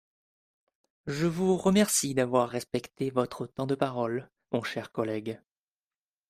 Je vous remercie d’avoir respecté votre temps de parole, mon cher collègue.